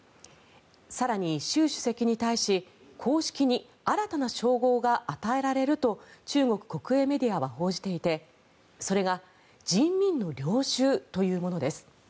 更に習主席に対し公式に新たな称号が与えられると中国国営メディアは報じていてそれが人民の領袖というものです。